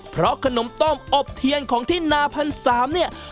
เพราะขนมต้มอบเทียนของที่นาพันสามเนี่ย